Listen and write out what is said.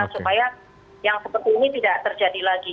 supaya yang seperti ini tidak terjadi lagi